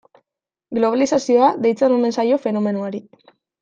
Globalizazioa deitzen omen zaio fenomenoari.